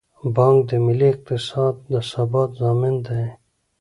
بانک د ملي اقتصاد د ثبات ضامن دی.